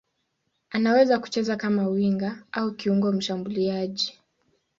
Anaweza kucheza kama winga au kiungo mshambuliaji.